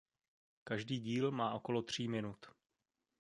Každý díl má okolo tří minut.